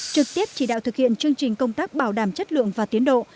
trực tiếp chỉ đạo thực hiện chương trình công tác bảo đảm chất lượng và tiến độ